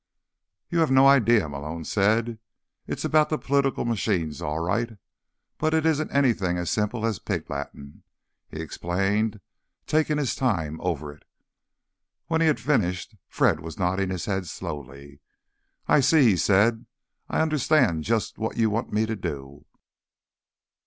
"You have no idea," Malone said. "It's about the political machines, all right, but it isn't anything as simple as pig Latin." He explained, taking his time over it. When he had finished, Fred was nodding his head slowly. "I see," he said. "I understand just what you want me to do."